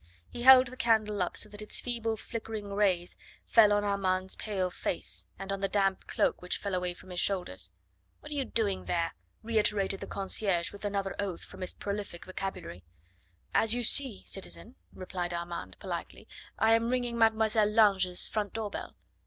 He held the candle up so that its feeble flickering rays fell on Armand's pale face, and on the damp cloak which fell away from his shoulders. "What are you doing there?" reiterated the concierge with another oath from his prolific vocabulary. "As you see, citizen," replied Armand politely, "I am ringing Mademoiselle Lange's front door bell."